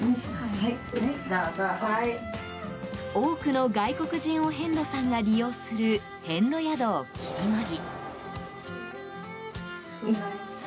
多くの外国人お遍路さんが利用する遍路宿を切り盛り。